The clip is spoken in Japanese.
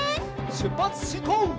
しゅっぱつしんこう！